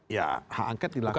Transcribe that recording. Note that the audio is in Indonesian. ya hak angket dilakukan